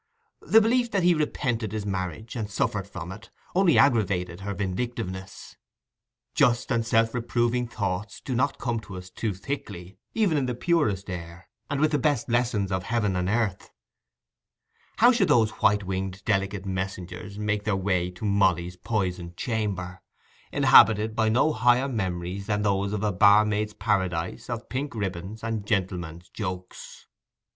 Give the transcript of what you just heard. The belief that he repented his marriage, and suffered from it, only aggravated her vindictiveness. Just and self reproving thoughts do not come to us too thickly, even in the purest air, and with the best lessons of heaven and earth; how should those white winged delicate messengers make their way to Molly's poisoned chamber, inhabited by no higher memories than those of a barmaid's paradise of pink ribbons and gentlemen's jokes?